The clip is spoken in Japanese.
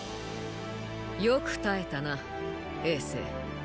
よく耐えたな政。